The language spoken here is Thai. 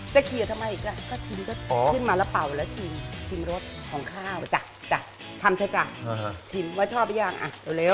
เคลียร์ทำไมอีกจ้ะก็ชิมก็ขึ้นมาแล้วเป่าแล้วชิมชิมรสของข้าวจ้ะทำเถอะจ้ะชิมว่าชอบหรือยังอ่ะเร็ว